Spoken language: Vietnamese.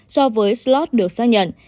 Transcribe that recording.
so với slot được xác nhận